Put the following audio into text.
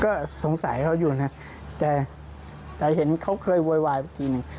ก็สงสัยเขาอยู่นะแต่เห็นเขาเคยโวยวายไปทีนึง